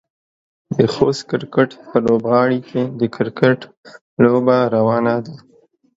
د خوست کرکټ په لوبغالي کې د کرکټ لوبه روانه ده.